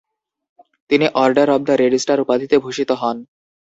তিনি order of the red star উপাধিতে ভূষিত হন।